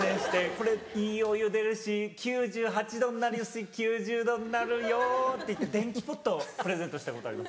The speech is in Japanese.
「これいいお湯出るし９８℃になるし９０℃になるよ」っていって電気ポットをプレゼントしたことあります。